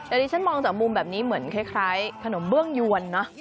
แต่ดิฉันมองจากมุมแบบนี้เหมือนคล้ายขนมเบื้องยวนเนอะ